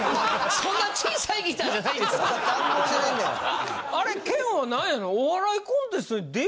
そんな小さいギターじゃないですよ。